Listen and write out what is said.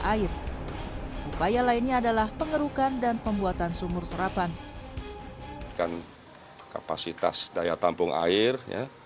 air upaya lainnya adalah pengerukan dan pembuatan sumur serapan kapasitas daya tampung air ya